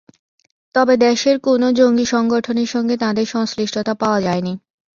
তবে দেশের কোনো জঙ্গি সংগঠনের সঙ্গে তাঁদের সংশ্লিষ্টতা পাওয়া যায়নি।